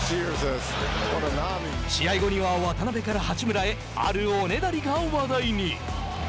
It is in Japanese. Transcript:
試合後には、渡邊から八村へあるおねだりが話題に。